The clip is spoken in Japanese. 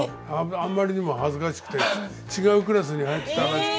あんまりにも恥ずかしくて違うクラスに入ってたらしくてね。